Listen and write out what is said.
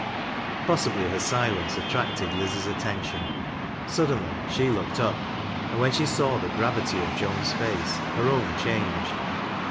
Possibly her silence attracted Liz's attention. Suddenly she looked up, and when she saw the gra^'ity of Joan's face, her own changed.